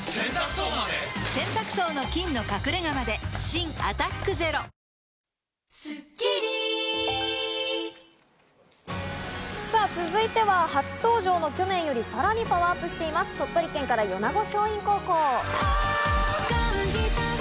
新「アタックＺＥＲＯ」さぁ続いては初登場の去年よりさらにパワーアップしています、鳥取県から米子松蔭高校。